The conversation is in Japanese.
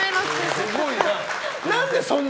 すごいな。